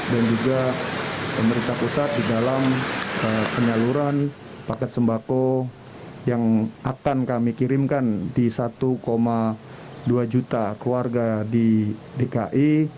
dan juga pemerintah pusat di dalam penyaluran paket sembako yang akan kami kirimkan di satu dua juta keluarga di dki